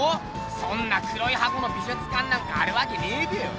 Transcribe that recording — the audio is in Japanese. そんな黒い箱の美術館なんかあるわけねえべよ。